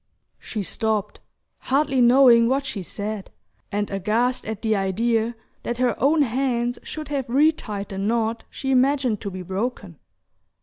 She stopped, hardly knowing what she said, and aghast at the idea that her own hands should have retied the knot she imagined to be broken.